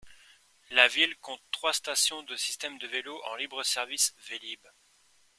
La ville compte trois stations du système de vélos en libre service Vélib'.